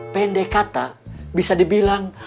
pendek kata bisa dibilang